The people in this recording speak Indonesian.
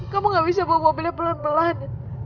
kamu gak bisa bawa mobilnya pelan pelan